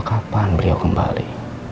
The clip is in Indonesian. kapan beliau kembali